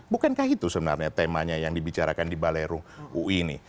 bukankah itu sebenarnya temanya yang dibicarakan di balerung ui ini